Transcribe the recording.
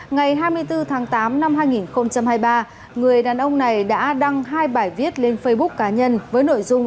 ngày hai mươi bốn tháng tám năm hai nghìn hai mươi ba người đàn ông này đã đăng hai bài viết lên facebook cá nhân với nội dung